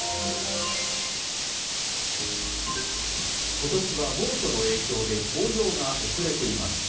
今年は猛暑の影響で紅葉が遅れています。